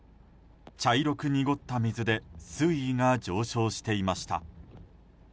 茶色く濁った水で水位が上昇していました。